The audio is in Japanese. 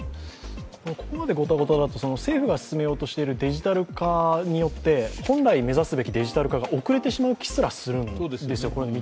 ここまでゴタゴタがあって政府が進めようとしているデジタル化によって本来目指すべきデジタル化が遅れてしまう気すらするんですよ。